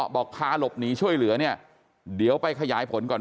พาหลบหนีช่วยเหลือเนี่ยเดี๋ยวไปขยายผลก่อน